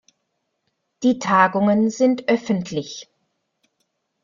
Die Tagungen sind öffentlich.